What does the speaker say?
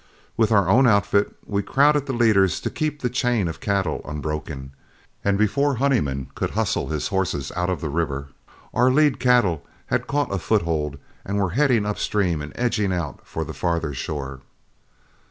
With our own outfit we crowded the leaders to keep the chain of cattle unbroken, and before Honeyman could hustle his horses out of the river, our lead cattle had caught a foothold, were heading up stream and edging out for the farther shore.